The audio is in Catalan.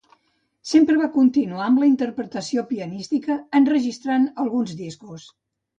Sempre va continuar amb la interpretació pianística, enregistrant alguns discos.